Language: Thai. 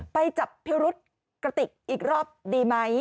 ไปจับพิรุษกระติกอีกรอบดีไหม